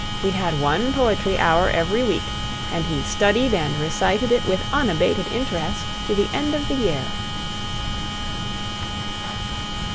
We had one poetry hour every week, and he studied and recited it with unabated interest to the end of the year.